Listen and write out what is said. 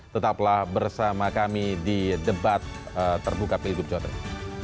tetaplah bersama kami di debat terbuka pilgub jawa tengah